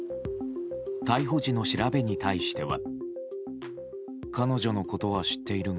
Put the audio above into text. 逮捕時の調べに対しては。